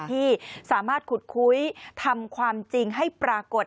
ที่สามารถขุดคุยทำความจริงให้ปรากฏ